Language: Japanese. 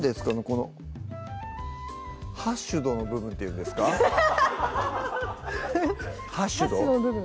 このハッシュドの部分っていうんですかハッシュド？